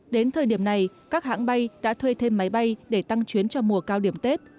đến thời điểm này các hãng bay đã thuê thêm máy bay để tăng chuyến cho mùa cao điểm tết